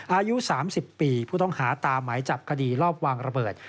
อายุ๓๐ปีผู้ต้องหาตามหมายจับคดีรอบวางระเบิด